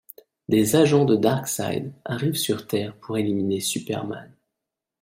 Des agents de Darkseid arrivent sur Terre pour éliminer Superman.